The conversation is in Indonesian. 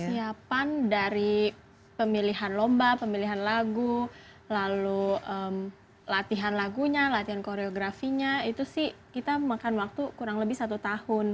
kesiapan dari pemilihan lomba pemilihan lagu lalu latihan lagunya latihan koreografinya itu sih kita makan waktu kurang lebih satu tahun